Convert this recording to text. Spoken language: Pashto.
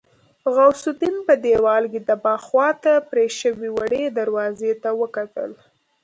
غوث الدين په دېوال کې د باغ خواته پرې شوې وړې دروازې ته وکتل.